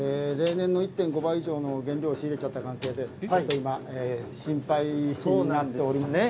例年の１．５倍以上の原料仕入れちゃった関係で、ちょっと今、心配になっております。